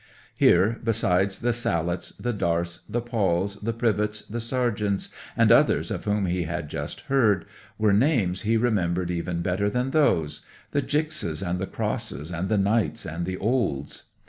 Here, besides the Sallets, the Darths, the Pawles, the Privetts, the Sargents, and others of whom he had just heard, were names he remembered even better than those: the Jickses, and the Crosses, and the Knights, and the Olds.